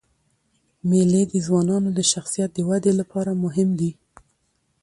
مېلې د ځوانانو د شخصیت د ودي له پاره مهمي دي.